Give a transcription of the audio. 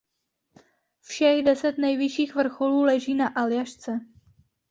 Všech deset nejvyšších vrcholů leží na Aljašce.